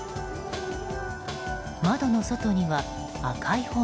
窓の外には赤い炎。